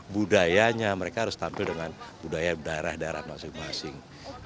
budayanya mereka harus tampil dengan budaya daerah daerah masing masing